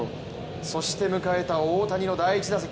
そして迎えた大谷の第１打席。